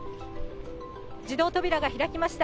自動扉が開きました。